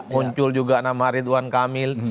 muncul juga nama ridwan kamil